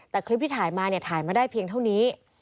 แต่คลิปที่ถ่ายมาเนี่ยถ่ายมาได้เพียงเท่านี้